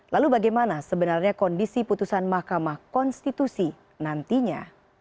lalu bagaimana sebenarnya kondisi putusan mahkamah konstitusi nantinya